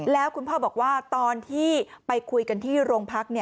แล้วคุณพ่อบอกว่าตอนที่ไปคุยกันที่โรงพัก